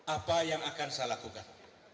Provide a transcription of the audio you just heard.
apa yang akan saya lakukan